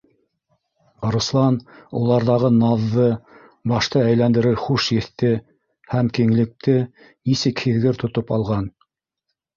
Руслан уларҙағы наҙҙы, башты әйләндерер хуш еҫте һәм киңлекте нисек һиҙгер тотоп алған...